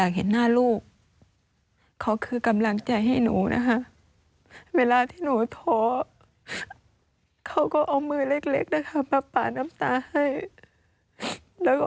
กลุกขึ้นมาสู้อีกครั้งหนึ่ง